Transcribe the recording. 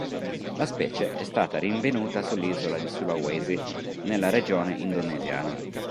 La specie è stata rinvenuta sull'isola di Sulawesi, nella regione indonesiana.